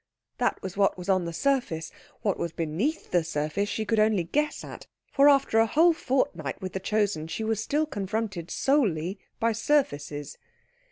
That was what was on the surface. What was beneath the surface she could only guess at; for after a whole fortnight with the Chosen she was still confronted solely by surfaces.